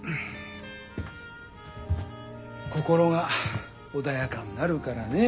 心が穏やかになるからねえ。